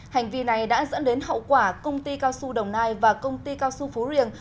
hành vi này đã dẫn đến hậu quả công ty cao su đồng nai và công ty cao su phú riêng